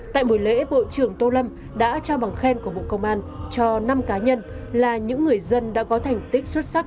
tại buổi lễ bộ trưởng tô lâm đã trao bằng khen của bộ công an cho năm cá nhân là những người dân đã có thành tích xuất sắc